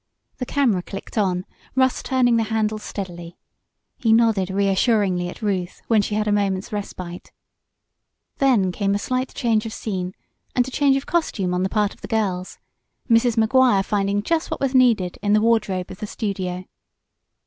The camera clicked on, Russ turning the handle steadily. He nodded reassuringly at Ruth when she had a moment's respite. Then came a slight change of scene, and a change of costume on the part of the girls, Mrs. Maguire finding just what was needed in the wardrobe of the studio.